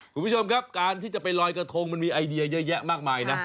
คุณผู้ชมครับการที่จะไปลอยกระทงมันมีไอเดียเยอะแยะมากมายนะ